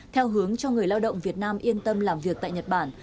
theo hướng cho người lao động việt nam yên tâm làm việc tại nhật bản